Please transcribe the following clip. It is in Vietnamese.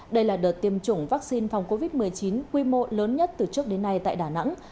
đây là đợt tiêm chủng vaccine phòng covid một mươi chín quy mô lớn nhất từ trước đến nay tại đà nẵng